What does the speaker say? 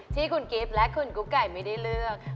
ที่คุณกิฟต์และคุณกุ๊กไก่ไม่ได้เลือก